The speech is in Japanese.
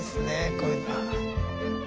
こういうのは。